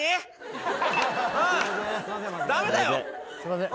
すいません。